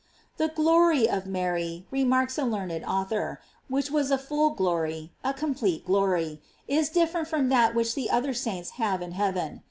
J The glory of Mary, remarks a. learned author,§ which was a full glory, a complete glory, is dif ferent from that which the other saints have in heaven.